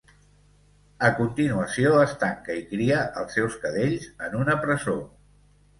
A continuació, es tanca i cria els seus cadells en una "presó".